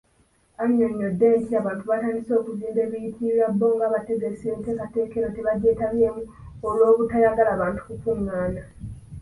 Annyonnyodde nti abantu baatandise okuzimba ebiyitirirwa, bbo ng'abategesi enteekateeka eno tebagyetabyemu olw'obutayagala bantu kukungaana.